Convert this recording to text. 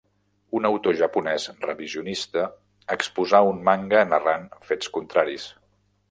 Un autor japonès revisionista exposà un manga narrant fets contraris.